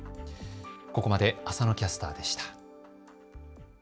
ここまで浅野キャスターでした。